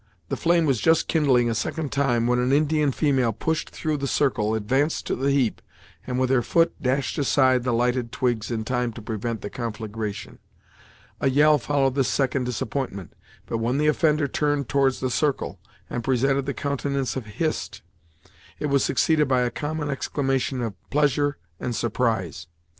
The flame was just kindling a second time, when an Indian female pushed through the circle, advanced to the heap, and with her foot dashed aside the lighted twigs in time to prevent the conflagration. A yell followed this second disappointment, but when the offender turned towards the circle, and presented the countenance of Hist, it was succeeded by a common exclamation of pleasure and surprise.